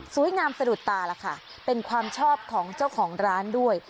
สะดุดตาล่ะค่ะเป็นความชอบของเจ้าของร้านด้วย